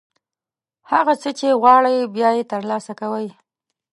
هغه څه چې غواړئ، بیا یې ترلاسه کوئ.